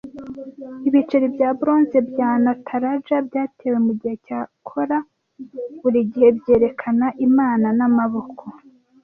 Ibiceri bya bronze bya Nataraja byatewe mugihe cya Chola buri gihe byerekana imana n'amaboko